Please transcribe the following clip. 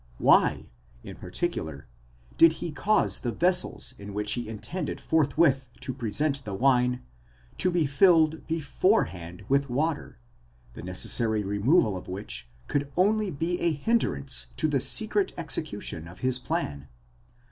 Why, in particular, did he cause the vessels in which he intended forthwith to present the wine, to be filled beforehand with water, the necessary removal of which could only be a hindrance to the secret execution of his plan?